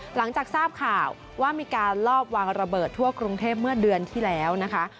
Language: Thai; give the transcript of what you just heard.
หลังจากทราบข่าวว่ามีการลอบวางระเบิดทั่วกรุงเทพเมื่อเดือนที่แล้วนะคะ